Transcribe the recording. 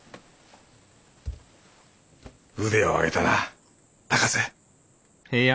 腕を上げたな高瀬。